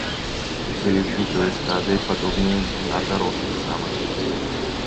Усе лічынкавыя стадыі падобныя на дарослых самак.